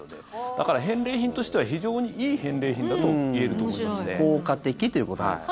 だから返礼品としては非常にいい返礼品だと効果的ということですね。